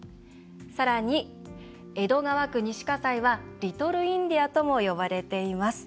さらに、江戸川区西葛西はリトル・インディアとも呼ばれています。